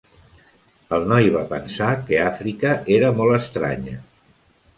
El noi va pensar que Àfrica era molt estranya.